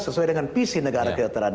sesuai dengan visi negara kedokteran